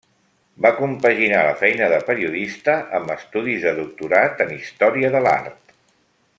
Va compaginar la feina de periodista amb estudis de doctorat en Història de l'Art.